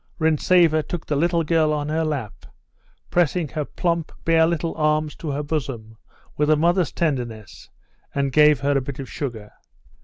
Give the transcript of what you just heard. Rintzeva took the little girl on her lap, pressing her plump, bare, little arms to her bosom with a mother's tenderness, and gave her a bit of sugar.